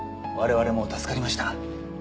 我々も助かりました。